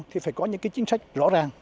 thì phải có những cái chính sách rõ ràng